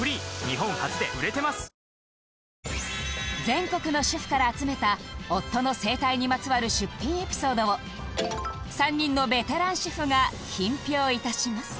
全国の主婦から集めた夫の生態にまつわる出品エピソードを３人のベテラン主婦が品評致します